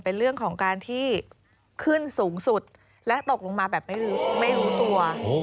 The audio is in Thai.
เป็นเรื่องของการที่ขึ้นสูงสุดและตกลงมาแบบไม่รู้ตัว